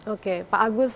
oke pak agus